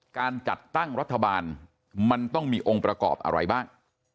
การจัดตั้งรัฐบาลมันต้องมีองค์ประกอบอะไรบ้าง